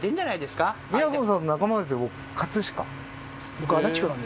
僕。